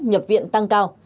nhập viện tăng cao